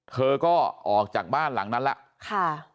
เธอก็ออกจากบ้านหลังนั้นแล้วค่ะ